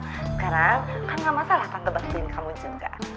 sekarang kan gak masalah tante bantuin kamu juga